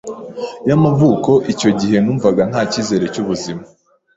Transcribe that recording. y’amavuko icyo gihe numvaga nta cyizere cy’ubuzima